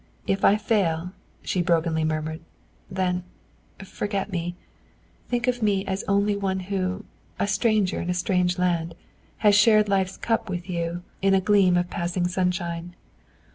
If I fail," she brokenly murmured, "then, forget me think of me as only one who, a stranger in a strange land, has shared Life's cup with you, in a gleam of passing sunshine."